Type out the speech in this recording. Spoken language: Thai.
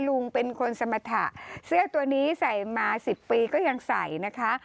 ลุงเป็นคนสมรรถะเสื้อตัวนี้ใส่มา๑๐ปีก็ยังใส่นะคะ